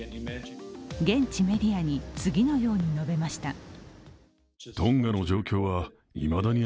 現地メディアに次のように述べました。